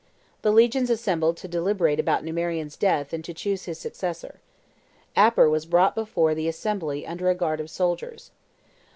The legions assembled to deliberate about Numerian's death and to choose his successor. Aper was brought before the assembly under a guard of soldiers.